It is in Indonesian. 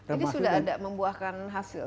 ini sudah ada membuahkan hasil